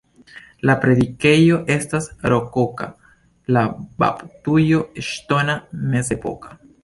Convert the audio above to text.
La predikejo estas rokoka, la baptujo ŝtona, mezepoka.